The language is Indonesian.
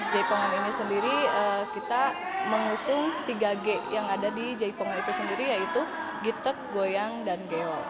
jaipongan ini sendiri kita mengusung tiga g yang ada di jaipongan itu sendiri yaitu gitek goyang dan geol